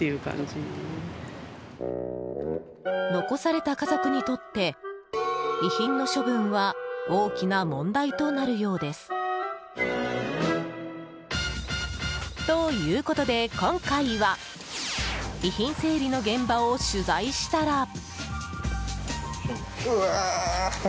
残された家族にとって遺品の処分は大きな問題となるようです。ということで、今回は遺品整理の現場を取材したら。